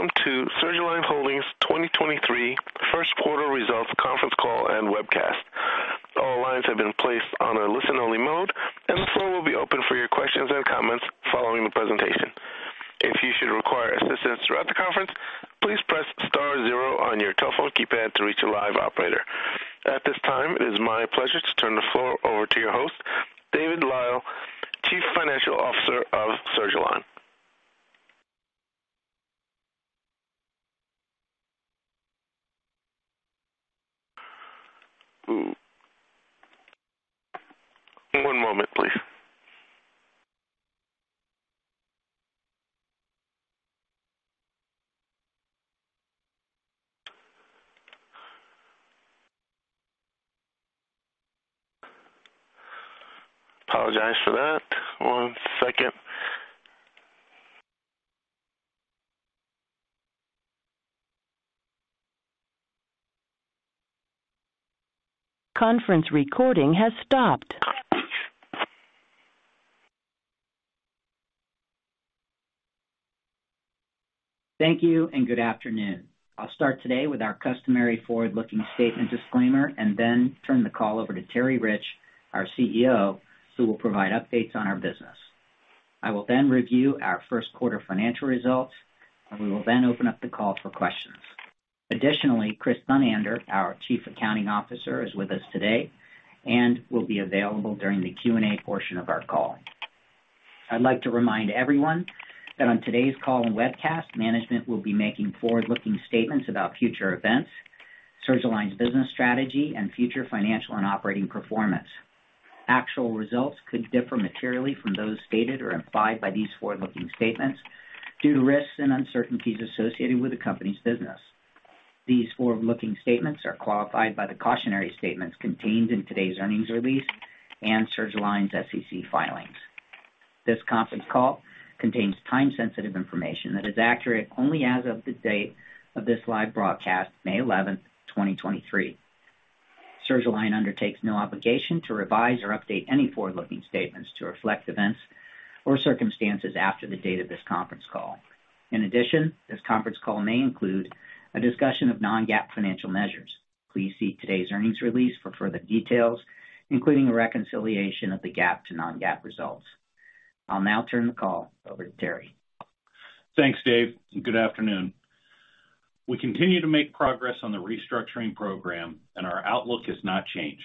Good day, ladies and gentlemen, and welcome to Surgalign Holdings 2023 first quarter results conference call and webcast. All lines have been placed on a listen-only mode, and the floor will be open for your questions and comments following the presentation. If you should require assistance throughout the conference, please press star zero on your telephone keypad to reach a live operator. At this time, it is my pleasure to turn the floor over to your host, David Lyle, Chief Financial Officer of Surgalign. One moment, please. Apologize for that. One second. Conference recording has stopped. Thank you. Good afternoon. I'll start today with our customary forward-looking statement disclaimer and then turn the call over to Terry Rich, our CEO, who will provide updates on our business. I will then review our first quarter financial results, and we will then open up the call for questions. Additionally, Christian Dumoulin, our Chief Accounting Officer, is with us today and will be available during the Q&A portion of our call. I'd like to remind everyone that on today's call and webcast, management will be making forward-looking statements about future events, Surgalign's business strategy, and future financial and operating performance. Actual results could differ materially from those stated or implied by these forward-looking statements due to risks and uncertainties associated with the company's business. These forward-looking statements are qualified by the cautionary statements contained in today's earnings release and Surgalign's SEC filings. This conference call contains time-sensitive information that is accurate only as of the date of this live broadcast, May 11th, 2023. Surgalign undertakes no obligation to revise or update any forward-looking statements to reflect events or circumstances after the date of this conference call. In addition, this conference call may include a discussion of non-GAAP financial measures. Please see today's earnings release for further details, including a reconciliation of the GAAP to non-GAAP results. I'll now turn the call over to Terry. Thanks, Dave, Good afternoon. We continue to make progress on the restructuring program and our outlook has not changed.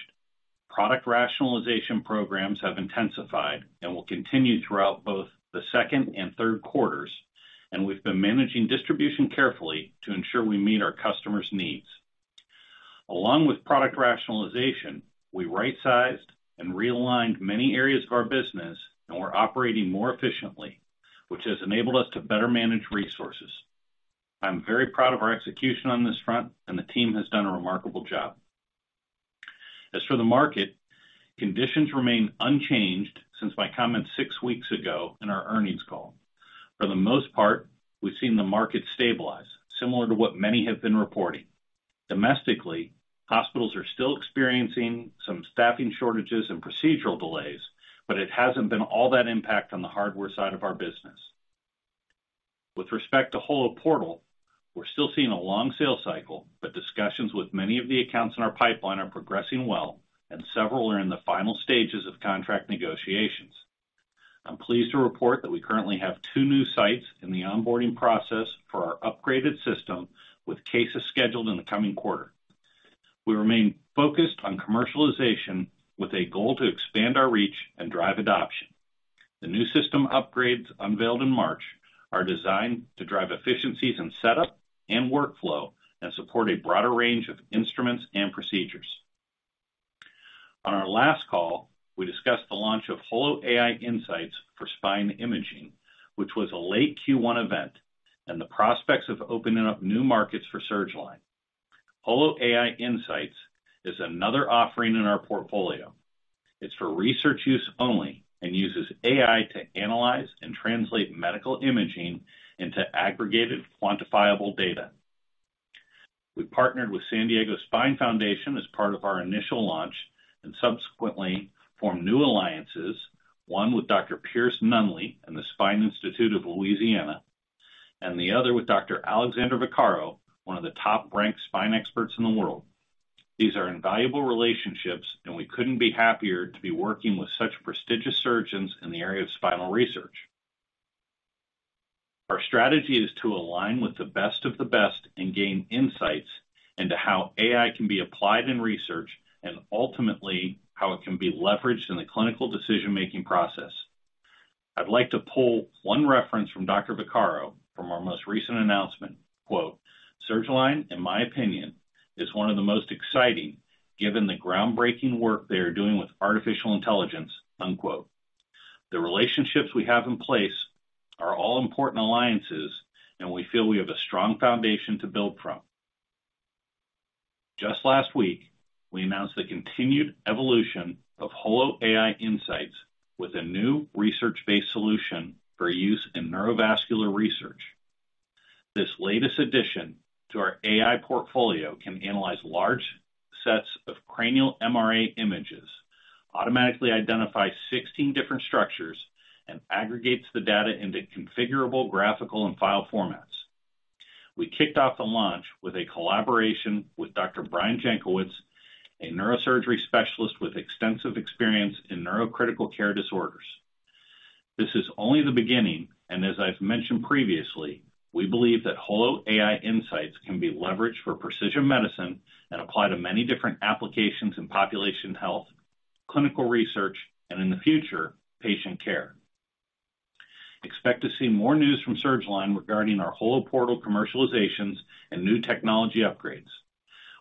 Product rationalization programs have intensified and will continue throughout both the 2nd and 3rd quarters, and we've been managing distribution carefully to ensure we meet our customers' needs. Along with product rationalization, we right-sized and realigned many areas of our business and we're operating more efficiently, which has enabled us to better manage resources. I'm very proud of our execution on this front, and the team has done a remarkable job. As for the market, conditions remain unchanged since my comments six weeks ago in our earnings call. For the most part, we've seen the market stabilize, similar to what many have been reporting. Domestically, hospitals are still experiencing some staffing shortages and procedural delays, but it hasn't been all that impact on the hardware side of our business. With respect to HOLO Portal, we're still seeing a long sales cycle, but discussions with many of the accounts in our pipeline are progressing well, and several are in the final stages of contract negotiations. I'm pleased to report that we currently have two new sites in the onboarding process for our upgraded system with cases scheduled in the coming quarter. We remain focused on commercialization with a goal to expand our reach and drive adoption. The new system upgrades unveiled in March are designed to drive efficiencies in setup and workflow and support a broader range of instruments and procedures. On our last call, we discussed the launch of HOLO AI Insights for spine imaging, which was a late Q1 event and the prospects of opening up new markets for Surgalign. HOLO AI Insights is another offering in our portfolio. It's for research use only and uses AI to analyze and translate medical imaging into aggregated quantifiable data. We partnered with San Diego Spine Foundation as part of our initial launch and subsequently formed new alliances, one with Dr. Pierce Nunley and the Spine Institute of Louisiana, and the other with Dr. Alexander Vaccaro, one of the top-ranked spine experts in the world. These are invaluable relationships, and we couldn't be happier to be working with such prestigious surgeons in the area of spinal research. Our strategy is to align with the best of the best and gain insights into how AI can be applied in research and ultimately how it can be leveraged in the clinical decision-making process. I'd like to pull one reference from Dr. Vaccaro from our most recent announcement. Quote, "Surgalign, in my opinion, is one of the most exciting given the groundbreaking work they are doing with artificial intelligence." unquote. The relationships we have in place are all important alliances, we feel we have a strong foundation to build from. Just last week, we announced the continued evolution of HOLO AI Insights with a new research-based solution for use in neurovascular research. This latest addition to our AI portfolio can analyze large sets of cranial MRA images, automatically identify 16 different structures, and aggregates the data into configurable graphical and file formats. We kicked off the launch with a collaboration with Dr. Brian Jankowitz, a neurosurgery specialist with extensive experience in neurocritical care disorders. This is only the beginning. As I've mentioned previously, we believe that HOLO AI Insights can be leveraged for precision medicine and apply to many different applications in population health, clinical research, and in the future, patient care. Expect to see more news from Surgalign regarding our HOLO Portal commercializations and new technology upgrades.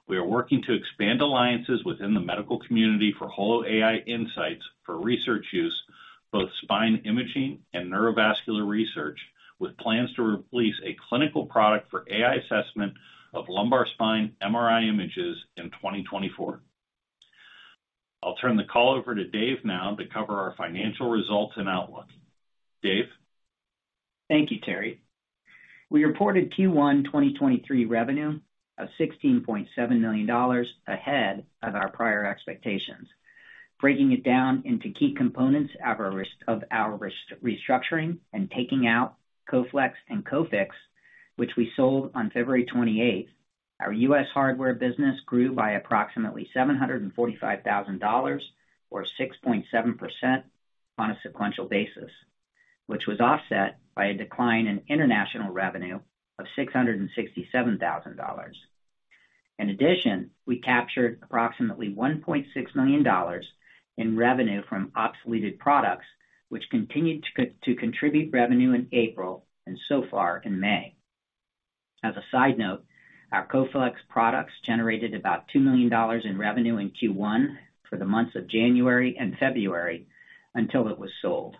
We are working to expand alliances within the medical community for HOLO AI Insights for research use, both spine imaging and neurovascular research, with plans to release a clinical product for AI assessment of lumbar spine MRI images in 2024. I'll turn the call over to Dave now to cover our financial results and outlook. Dave? Thank you, Terry. We reported Q1 2023 revenue of $16.7 million ahead of our prior expectations, breaking it down into key components of our restructuring and taking out Coflex and CoFix, which we sold on 28th February. Our US hardware business grew by approximately $745,000 or 6.7% on a sequential basis, which was offset by a decline in international revenue of $667,000. We captured approximately $1.6 million in revenue from obsoleted products, which continued to contribute revenue in April and so far in May. As a side note, our Coflex products generated about $2 million in revenue in Q1 for the months of January and February until it was sold.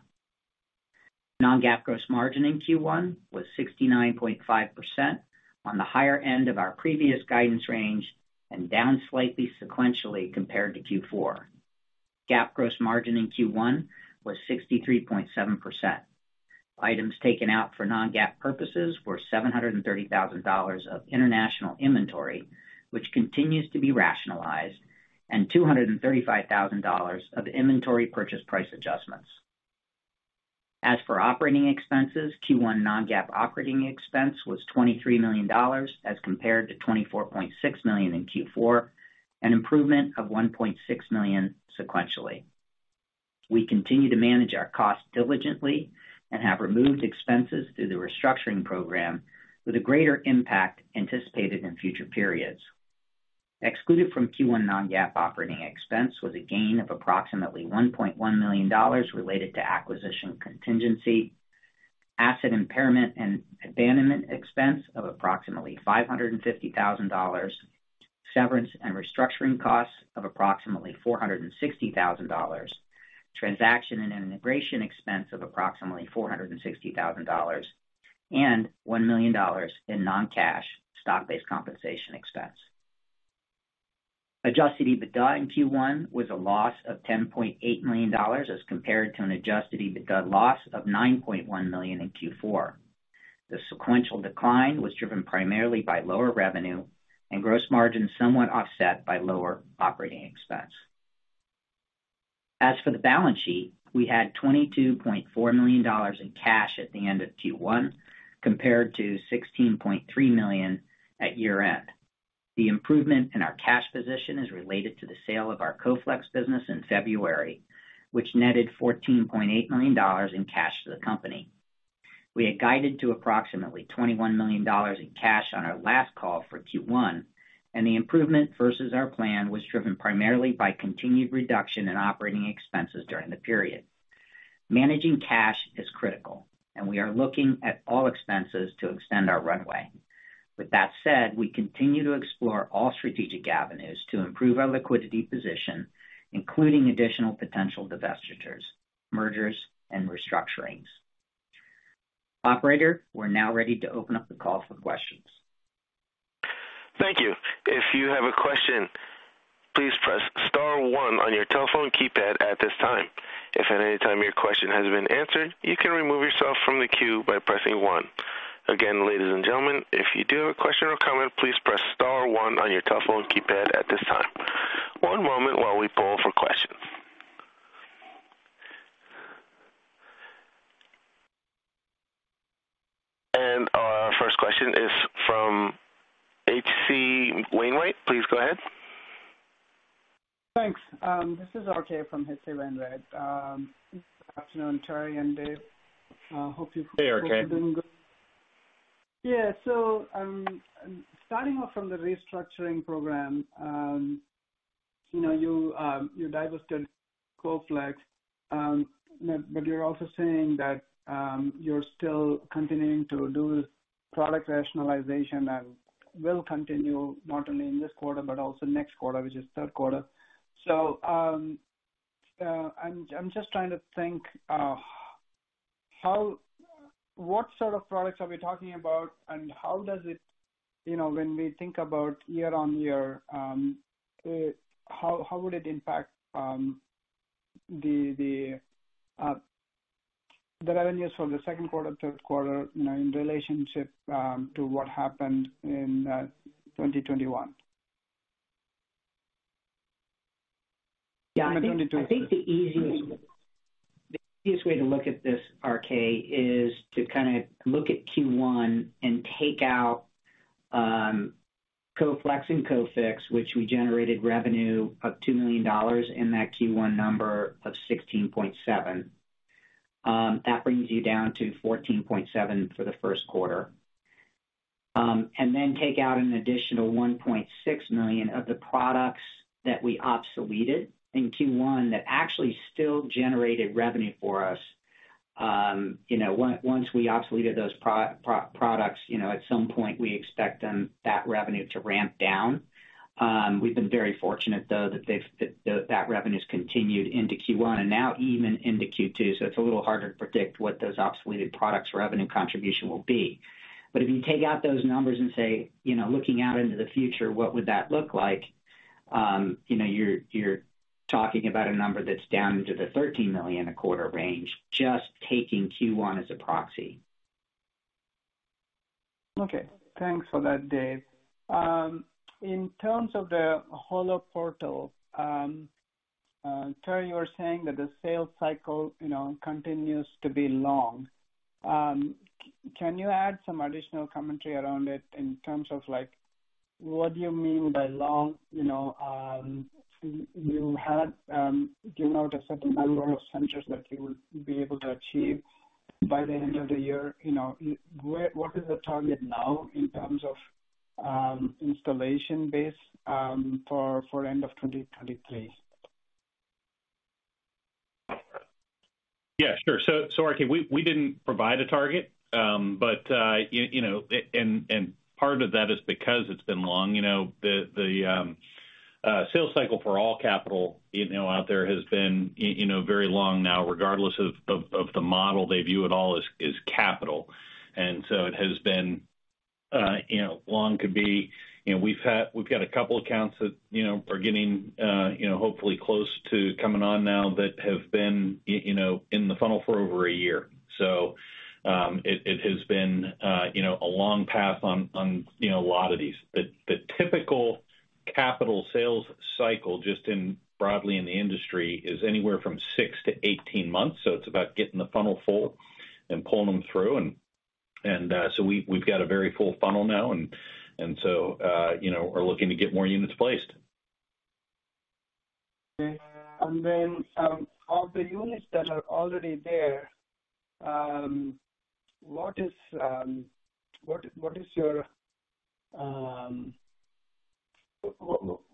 Non-GAAP gross margin in Q1 was 69.5% on the higher end of our previous guidance range and down slightly sequentially compared to Q4. GAAP gross margin in Q1 was 63.7%. Items taken out for non-GAAP purposes were $730,000 of international inventory, which continues to be rationalized, and $235,000 of inventory purchase price adjustments. As for operating expenses, Q1 non-GAAP operating expense was $23 million as compared to $24.6 million in Q4, an improvement of $1.6 million sequentially. We continue to manage our costs diligently and have removed expenses through the restructuring program with a greater impact anticipated in future periods. Excluded from Q1 non-GAAP operating expense was a gain of approximately $1.1 million related to acquisition contingency, asset impairment and abandonment expense of approximately $550,000, severance and restructuring costs of approximately $460,000, transaction and integration expense of approximately $460,000, and $1 million in non-cash stock-based compensation expense. Adjusted EBITDA in Q1 was a loss of $10.8 million as compared to an Adjusted EBITDA loss of $9.1 million in Q4. The sequential decline was driven primarily by lower revenue and gross margin somewhat offset by lower operating expense. For the balance sheet, we had $22.4 million in cash at the end of Q1 compared to $16.3 million at year-end. The improvement in our cash position is related to the sale of our Coflex business in February, which netted $14.8 million in cash to the company. We had guided to approximately $21 million in cash on our last call for Q1, and the improvement versus our plan was driven primarily by continued reduction in operating expenses during the period. Managing cash is critical, and we are looking at all expenses to extend our runway. With that said, we continue to explore all strategic avenues to improve our liquidity position, including additional potential divestitures, mergers, and restructurings. Operator, we're now ready to open up the call for questions. Thank you. If you have a question, please press star one on your telephone keypad at this time. If at any time your question has been answered, you can remove yourself from the queue by pressing one. Again, ladies and gentlemen, if you do have a question or comment, please press star one on your telephone keypad at this time. One moment while we poll for questions. Our first question is from H.C. Wainwright. Please go ahead. Thanks. This is RK from H.C. Wainwright. Good afternoon, Terry and Dave. Hey, RK. Hope you're doing good. Yeah. Starting off from the restructuring program, you know, you divested Coflex, but you're also saying that you're still continuing to do product rationalization and will continue not only in this quarter but also next quarter, which is third quarter. I'm just trying to think, What sort of products are we talking about and how does it? You know, when we think about year-on-year, how would it impact the revenues for the second quarter, third quarter, you know, in relationship to what happened in 2021. Yeah. I think the easiest way to look at this, RK, is to kinda look at Q1 and take out Coflex and CoFix, which we generated revenue of $2 million in that Q1 number of 16.7. That brings you down to 14.7 for the first quarter. And then take out an additional $1.6 million of the products that we obsoleted in Q1 that actually still generated revenue for us. You know, once we obsoleted those products, you know, at some point we expect them, that revenue to ramp down. We've been very fortunate though that they've, that revenue's continued into Q1 and now even into Q2, so it's a little harder to predict what those obsoleted products' revenue contribution will be. If you take out those numbers and say, you know, looking out into the future, what would that look like, you know, you're talking about a number that's down into the $13 million a quarter range, just taking Q1 as a proxy. Okay. Thanks for that, Dave. In terms of the HOLO Portal, Terry, you were saying that the sales cycle, you know, continues to be long. Can you add some additional commentary around it in terms of, like, what do you mean by long? You know, you had, you know, the certain number of centers that you would be able to achieve by the end of the year. You know, what is the target now in terms of installation base for end of 2023? Yeah, sure. RK, we didn't provide a target, you know, and part of that is because it's been long. You know, the sales cycle for all capital, you know, out there has been you know, very long now, regardless of the model, they view it all as capital. It has been, you know, long could be... You know, we've got a couple accounts that, you know, are getting, you know, hopefully close to coming on now that have been you know, in the funnel for over a year. It has been, you know, a long path on, you know, a lot of these. The typical capital sales cycle, just in broadly in the industry, is anywhere from 6 to 18 months, so it's about getting the funnel full and pulling them through. So we've got a very full funnel now and so, you know, are looking to get more units placed. Okay. Of the units that are already there,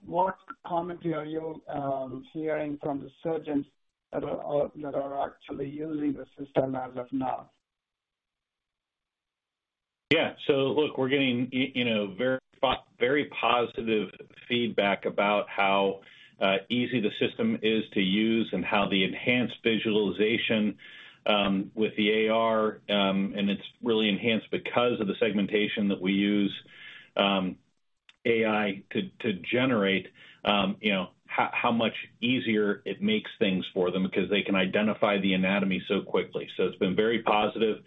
what commentary are you hearing from the surgeons that are actually using the system as of now? look, we're getting you know, very positive feedback about how easy the system is to use and how the enhanced visualization with the AR, and it's really enhanced because of the segmentation that we use AI to generate, you know, how much easier it makes things for them because they can identify the anatomy so quickly. It's been very positive.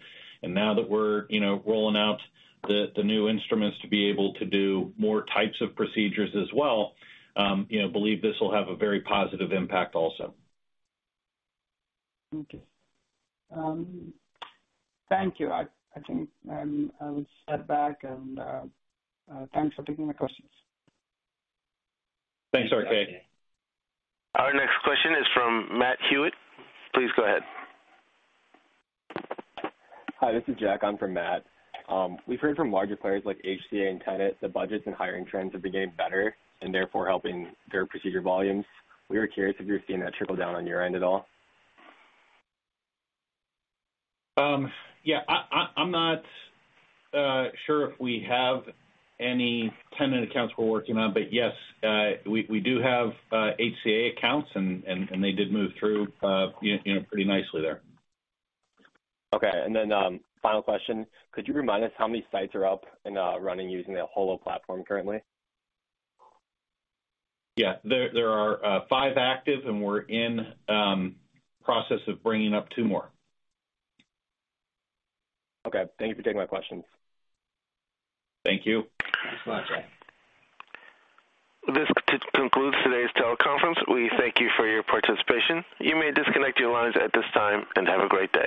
Now that we're, you know, rolling out the new instruments to be able to do more types of procedures as well, you know, believe this will have a very positive impact also. Okay. Thank you. I think I will step back and thanks for taking my questions. Thanks, RK. Thanks. Our next question is from Matt Hewitt. Please go ahead. Hi, this is Jack. I'm from Matt. We've heard from larger players like HCA and Tenet that budgets and hiring trends have been getting better and therefore helping their procedure volumes. We were curious if you're seeing that trickle down on your end at all. Yeah. I'm not sure if we have any Tenet accounts we're working on, but yes, we do have HCA accounts and they did move through, you know, pretty nicely there. Okay. Final question. Could you remind us how many sites are up and running using the HOLO platform currently? Yeah. There are five active, and we're in process of bringing up 2 more. Okay. Thank you for taking my questions. Thank you. Thanks a lot. This concludes today's teleconference. We thank you for your participation. You may disconnect your lines at this time. Have a great day.